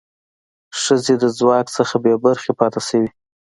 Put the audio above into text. ښځې د ځواک څخه بې برخې پاتې شوې.